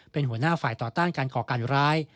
เป็นหัวหน้าฝ่ายต่อต้านการก่อการร้าย